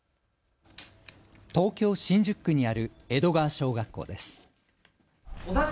東京・新宿区にある江戸川小学校です。